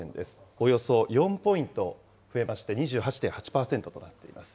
およそ４ポイント増えまして、２８．８％となっています。